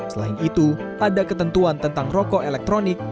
selain itu ada ketentuan tentang rokok elektronik